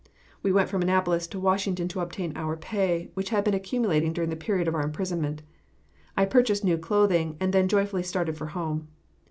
We went from Annapolis to Washington to obtain our pay, which had been accumulating during the period of our imprisonment. I purchased new clothing, and then joyfully started for home.